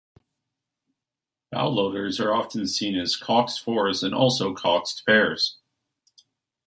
Bowloaders are often seen as coxed fours and also coxed pairs.